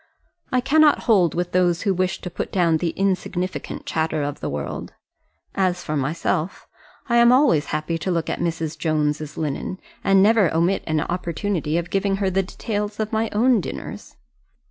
I cannot hold with those who wish to put down the insignificant chatter of the world. As for myself, I am always happy to look at Mrs. Jones's linen, and never omit an opportunity of giving her the details of my own dinners.